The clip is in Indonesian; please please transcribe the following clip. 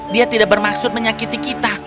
dia tidak bermaksud menyakiti kita